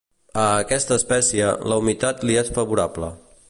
A aquesta espècie, la humitat li és favorable.